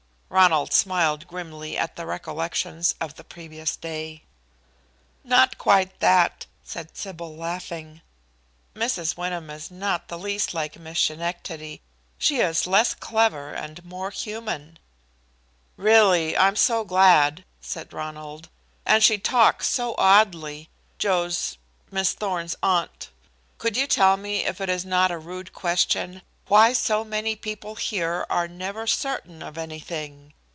Ronald smiled grimly at the recollections of the previous day. "Not quite that," said Sybil, laughing. "Mrs. Wyndham is not the least like Miss Schenectady. She is less clever and more human." "Really, I am so glad," said Ronald. "And she talks so oddly Joe's Miss Thorn's aunt. Could you tell me, if it is not a rude question, why so many people here are never certain of anything?